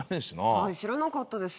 はい知らなかったです。